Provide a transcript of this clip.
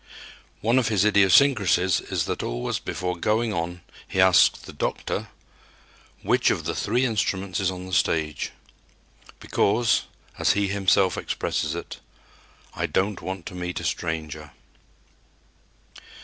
One of his idiosyncrasies is that always before going on he asks the "doctor" which of the three instruments is on the stage, because, as he himself expresses it, "I don't want to meet a stranger."